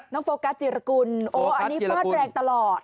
น้องฟโกัสจิรกุลอันนี้ฟาดแรงตลอด